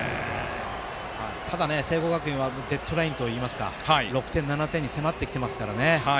ただ、聖光学院はデッドラインといいますか７点に迫ってきていますからね。